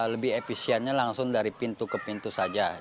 lebih efisiennya langsung dari pintu ke pintu saja